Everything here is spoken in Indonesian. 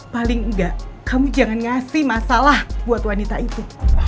paling enggak kamu jangan ngasih masalah buat wanita itu